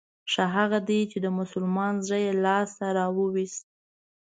ښه هغه دی چې د مسلمان زړه يې لاس ته راووست.